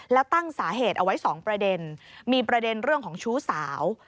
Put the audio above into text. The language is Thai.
แล้วตั้งสาเหตุเอาไว้๒ประเด็นมีประเด็นเรื่องของชู้สาว